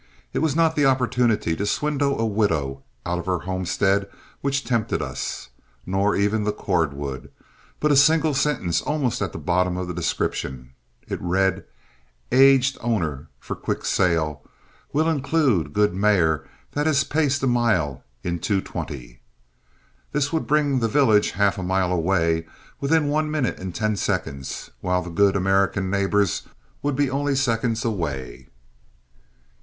It was not the opportunity to swindle a widow out of her homestead which tempted us, nor even the cordwood, but a single sentence almost at the bottom of the description. It read, "Aged owner, for quick sale, will include good mare that has paced a mile in 2:20." This would bring the village half a mile away within one minute and ten seconds, while the good American neighbors would be only seconds away.